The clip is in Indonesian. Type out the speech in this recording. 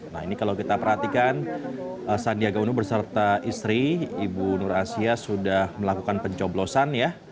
nah ini kalau kita perhatikan sandiaga uno berserta istri ibu nur asia sudah melakukan pencoblosan ya